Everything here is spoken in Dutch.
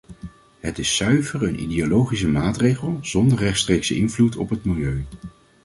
Het is zuiver een ideologische maatregel, zonder rechtstreekse invloed op het milieu.